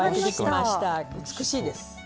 美しいです。